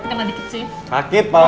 kita makan cake bareng